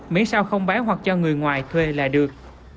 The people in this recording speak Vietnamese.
miễn sao không bán hoặc cho người ngoài thuê là được